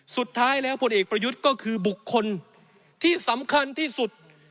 สุดท้ายแล้วผลเอกประยุทธ์ก็คือบุคคลที่สำคัญที่สุด